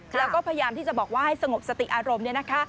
แล้วก็พยายามที่จะบอกว่าให้สงบสติอารมณ์